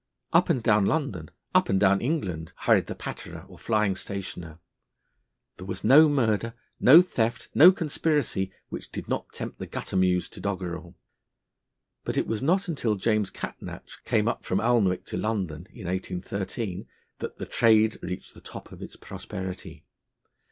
Up and down London, up and down England, hurried the Patterer or Flying Stationer. There was no murder, no theft, no conspiracy, which did not tempt the Gutter Muse to doggerel. But it was not until James Catnach came up from Alnwick to London (in 1813), that the trade reached the top of its prosperity.